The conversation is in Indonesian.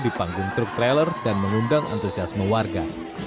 di panggung truk trailer dan mengundang antusiasme warga